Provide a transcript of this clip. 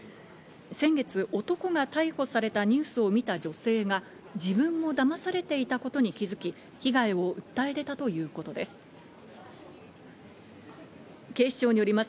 先月、男が逮捕されたニュースを見た女性が、自分もだまされていたことに気づき、被害を訴え出たということです。